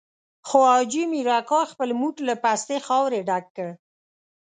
خو حاجي مير اکا خپل موټ له پستې خاورې ډک کړ.